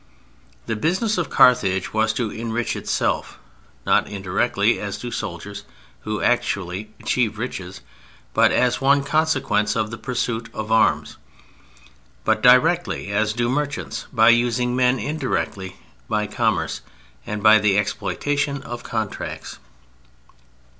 The business of Carthage was to enrich itself: not indirectly as do soldiers (who achieve riches as but one consequence of the pursuit of arms), but directly, as do merchants, by using men indirectly, by commerce, and by the exploitation of contracts.